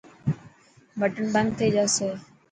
بٽڻ بند ٿي جاسي.